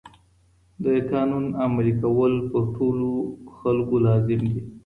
د قانون عملي کول په ټولو خلګو لازم دي.